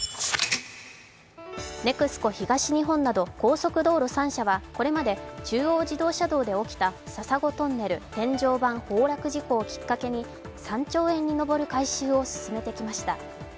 ＮＥＸＣＯ東日本など高速道路３社はこれまで中央自動車道で起きた笹子トンネル天井崩落事故をきっかけに３兆円に上る改修を進めてきました。